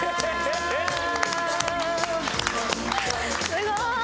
すごーい！